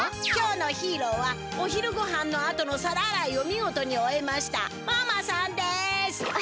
今日のヒーローはお昼ごはんのあとのさらあらいを見事に終えましたママさんです！